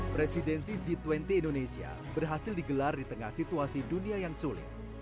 presidensi g dua puluh indonesia berhasil digelar di tengah situasi dunia yang sulit